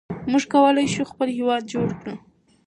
موږ کولای شو خپل هېواد جوړ کړو.